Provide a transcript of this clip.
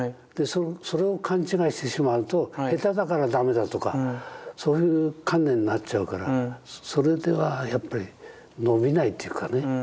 それを勘違いしてしまうと下手だから駄目だとかそういう観念になっちゃうからそれではやっぱり伸びないっていうかね。